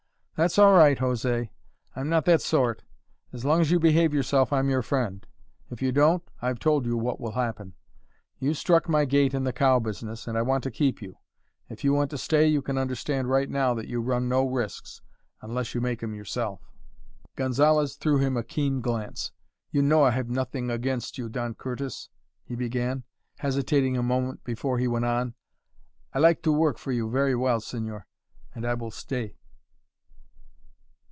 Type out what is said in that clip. "That's all right, José. I'm not that sort. As long as you behave yourself I'm your friend. If you don't, I've told you what will happen. You've struck my gait in the cow business, and I want to keep you. If you want to stay you can understand right now that you run no risks, unless you make 'em yourself." Gonzalez threw at him a keen glance. "You know I have nothing against you, Don Curtis," he began, hesitating a moment before he went on; "I like to work for you very well, señor, and I will stay."